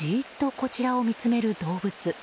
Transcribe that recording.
こちらを見つめる動物。